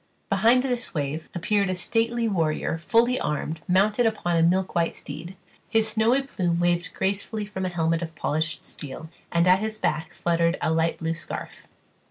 Behind this wave appeared a stately warrior fully armed, mounted upon a milk white steed; his snowy plume waved gracefully from a helmet of polished steel, and at his back fluttered a light blue scarf.